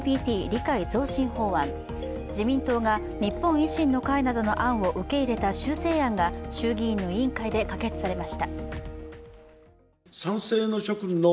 理解増進法案、自民党が日本維新の会などの案を受け入れた修正案が衆議院の委員会で可決されました。